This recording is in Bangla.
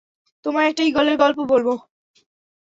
তোমায় একটা ঈগলের গল্প বলবো?